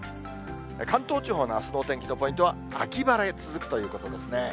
関東地方のあすのお天気のポイントは、秋晴れ続くということですね。